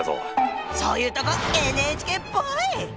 そういうとこＮＨＫっぽい。